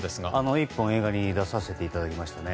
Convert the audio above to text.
１本、映画に出させていただきましたね。